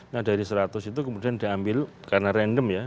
nah dari seratus itu kemudian diambil karena random ya